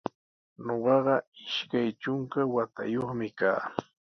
Ñuqaqa ishka trunka watayuqmi kaa.